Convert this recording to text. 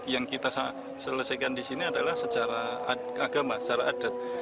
yang kita selesaikan di sini adalah secara agama secara adat